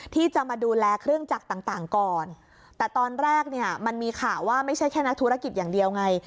ที่จะมาดูแลเครื่องจักรต่างต่างก่อนแต่ตอนแรกเนี่ยมันมีข่าวว่าไม่ใช่แค่นักธุรกิจอย่างเดียวไง